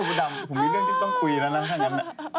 เอ้ยอู๋ดำผมมีเรื่องที่ต้องคุยแล้วนะข้างย้ำนั่น